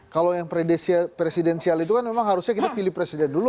kalau yang presidensial itu kan memang harusnya kita pilih presiden dulu